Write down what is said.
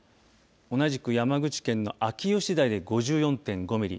同じく山口県の秋吉台で５４．５ミリ